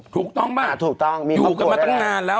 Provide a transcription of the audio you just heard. ถูกต้องมั้ยอยู่กันมาตั้งนานแล้ว